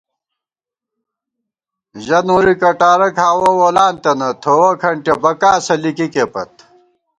ژہ نوری کٹارہ کھاوَہ وولانتَنہ، تھووَہ کھنٹِیَہ بَکاسہ لِکِکےپت